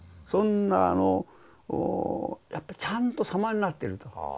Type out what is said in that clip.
そんなあのやっぱりちゃんとさまになってると。